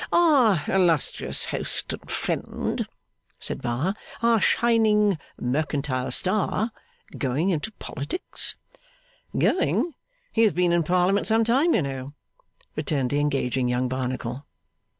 'Our illustrious host and friend,' said Bar; 'our shining mercantile star; going into politics?' 'Going? He has been in Parliament some time, you know,' returned the engaging young Barnacle.